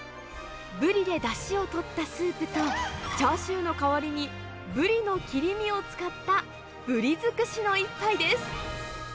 ブリでだしをとったスープと、チャーシューの代わりにブリの切り身を使った、ブリ尽くしの一杯です。